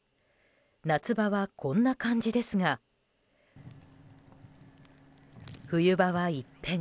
夏場はこんな感じですが冬場は一変。